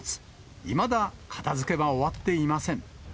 いまだ片づけは終わっていません。